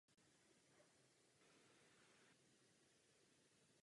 Děti byly v této době z kibucu evakuovány.